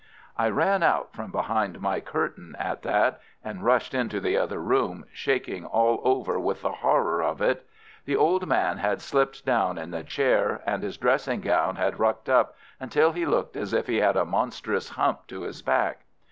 I ran out from behind my curtain at that, and rushed into the other room, shaking all over with the horror of it. The old man had slipped down in the chair, and his dressing gown had rucked up until he looked as if he had a monstrous hump to his back.